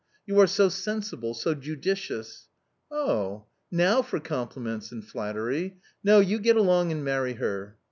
You are so sensible, so judicious "" Oh, now for compliments and flattery ! No, you get along and marry her."